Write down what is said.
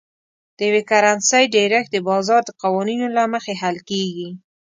د یوې کرنسۍ ډېرښت د بازار د قوانینو له مخې حل کیږي.